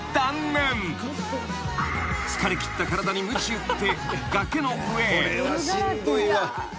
［疲れきった体にむち打って崖の上へ］